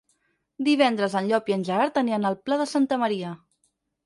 Divendres en Llop i en Gerard aniran al Pla de Santa Maria.